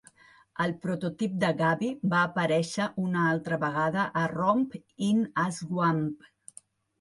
El prototip de Gabby va aparèixer una altra vegada a "Romp in a Swamp".